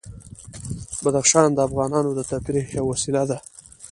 بدخشان د افغانانو د تفریح یوه وسیله ده.